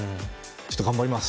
ちょっと、頑張ります！